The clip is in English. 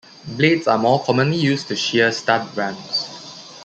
Blades are more commonly used to shear stud rams.